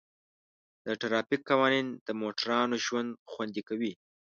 د ټرافیک قوانین د موټروانو ژوند خوندي کوي.